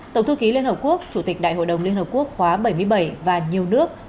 tổng thư ký liên hợp quốc chủ tịch đại hội đồng liên hợp quốc khóa bảy mươi bảy và nhiều nước